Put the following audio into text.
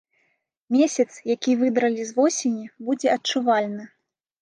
Месяц, які выдралі з восені, будзе адчувальны.